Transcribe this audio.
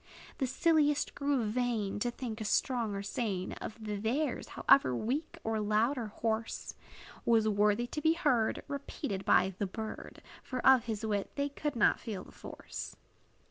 The silliest grew vain, To think a song or strain Of theirs, however weak, or loud, or hoarse, Was worthy to be heard Repeated by the bird; For of his wit they could not feel the force.